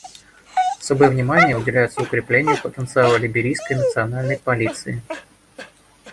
Особое внимание уделяется укреплению потенциала Либерийской национальной полиции.